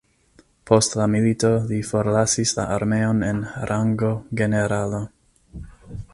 Post la milito li forlasis la armeon en rango generalo.